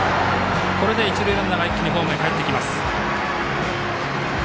これで一塁ランナーが一気にホームへかえってきました。